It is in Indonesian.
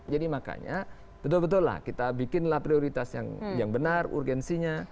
jadi makanya betul betul lah kita bikinlah prioritas yang benar urgensinya